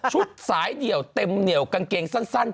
สายเดี่ยวเต็มเหนียวกางเกงสั้น